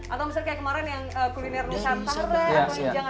atau misalnya kayak kemarin yang kuliner nusantara atau pinjangan